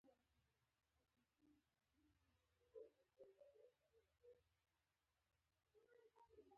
ځینې محصلین د خپلو استادانو نه الهام اخلي.